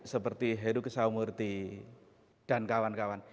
seperti heru kesamurti dan kawan kawan